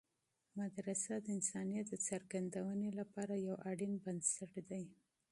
مدرسه د انسانیت د انکشاف لپاره یوه لازمي بنسټ ده.